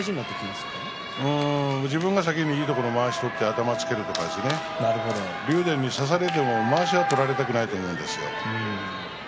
自分が先にいいところ、まわしを取って頭をつけるとか竜電に差されても、まわしは取られたくないと思うんです。